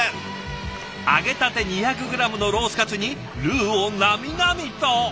揚げたて２００グラムのロースカツにルーをなみなみと！